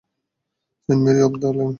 Saint Mary of the pine.